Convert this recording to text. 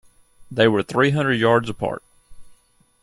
They were three hundred yards apart.